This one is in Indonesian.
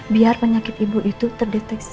biar penyakit ibu itu terdeteksi